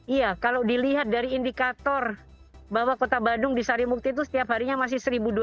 iya kalau dilihat dari indikator bahwa kota bandung di sarimukti itu setiap harinya masih